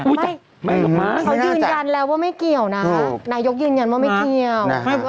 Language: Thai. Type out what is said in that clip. ไม่เขายืนยันแล้วว่าไม่เกี่ยวนะนายกยืนยันว่าไม่เกี่ยว